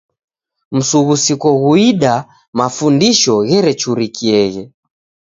Msughusiko ghuida, mafundisho gherechurikieghe..